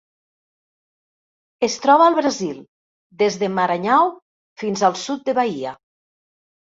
Es troba al Brasil: des de Maranhão fins al sud de Bahia.